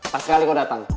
pas sekali lo datang